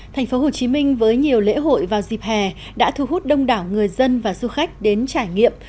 thành phố hồ chí minh với nhiều lễ hội vào dịp hè đã thu hút đông đảo người dân và du khách đến trải nghiệm